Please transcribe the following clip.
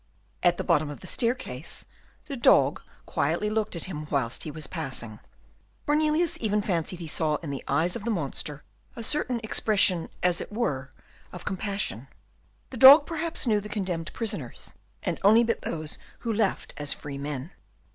At the bottom of the staircase, the dog quietly looked at him whilst he was passing; Cornelius even fancied he saw in the eyes of the monster a certain expression as it were of compassion. The dog perhaps knew the condemned prisoners, and only bit those who left as free men.